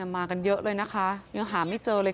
มากันเยอะเลยนะคะยังหาไม่เจอเลย